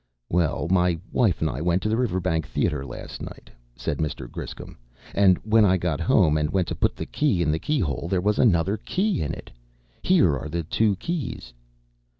"Well, my wife and I went to the Riverbank Theater last night," said Mr. Griscom, "and when I got home and went to put the key in the keyhole, there was another key in it. Here are the two keys."